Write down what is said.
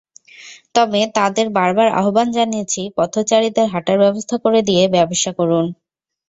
তবে তাঁদের বারবার আহ্বান জানিয়েছি, পথচারীদের হাঁটার ব্যবস্থা করে দিয়ে ব্যবসা করুন।